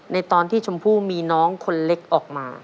ในตอนที่ชมพู่มีน้องคนเล็กออกมา